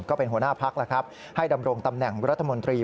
ก็เป็นหัวหน้าพักแล้วครับให้ดำรงตำแหน่งรัฐมนตรี